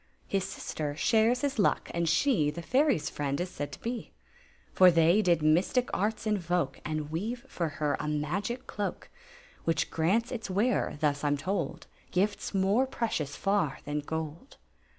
His sister shares his luck, and she The fairies' friend is said to be ; For Aey did mystic arts invoke And weave for Imr a magic doak Which grants ^ weara^ ^iit I Yn toid— Gifts more precious far than gold.